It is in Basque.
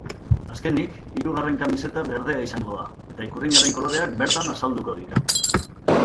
Azkenik, hirugarren kamiseta berdea izango da eta ikurriñaren koloreak bertan azalduko dira.